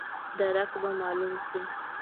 درک به مالوم شي.